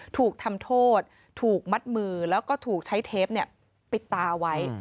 ถูกทำโทษถูกมัดมือแล้วก็ถูกใช้เทปปิดตาไว้